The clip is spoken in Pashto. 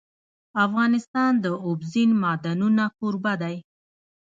افغانستان د اوبزین معدنونه کوربه دی.